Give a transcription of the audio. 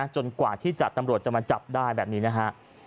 กว่าที่ตำรวจจะมาจับได้แบบนี้นะฮะ